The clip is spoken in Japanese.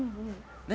何？